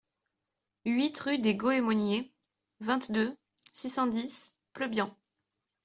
huit rue des Goemoniers, vingt-deux, six cent dix, Pleubian